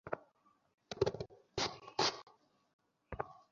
মিশেল, ও তো আমার সাথে ভালো আচরনই করছে।